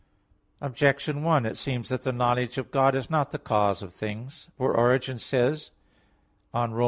Objection 1: It seems that the knowledge of God is not the cause of things. For Origen says, on Rom.